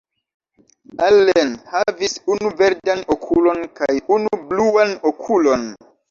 Allen havis unu verdan okulon kaj unu bluan okulon.